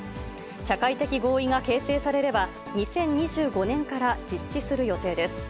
社会的合意が形成されれば、２０２５年から実施する予定です。